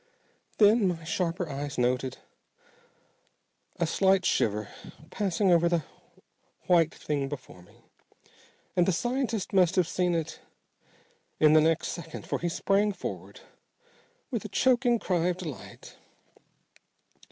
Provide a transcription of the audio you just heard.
"Then my sharper eyes noted a slight shiver passing over the white thing before me, and the scientist must have seen it in the next second, for he sprang forward with a choking cry of delight.